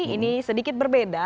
ini sedikit berbeda